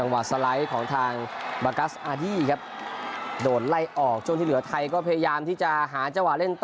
บากัสอาดี้ครับโดนไล่ออกจนที่เหลือไทยก็พยายามที่จะหาเจ้าหาเล่นต่อ